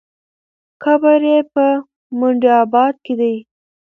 قبر یې په منډآباد کې دی.